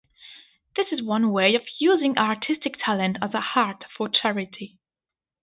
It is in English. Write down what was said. This is one way of using artistic talent as art for charity.